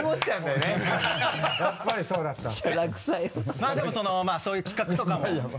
まぁでもそういう企画とかも。